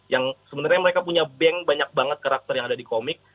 yang sebenarnya mereka punya bank banyak banget karakter yang ada di komik